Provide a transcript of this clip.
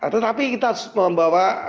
tetapi kita harus membawa